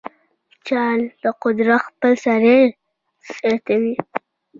جهل د قدرت خپل سری زیاتوي.